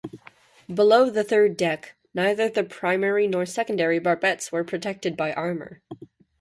Below the third deck, neither the primary nor secondary barbettes were protected by armor.